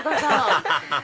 アハハハハ！